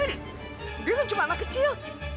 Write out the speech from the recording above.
ini dia kan cuma anak kecil